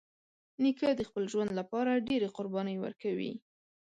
نیکه د خپل ژوند له پاره ډېری قربانۍ ورکوي.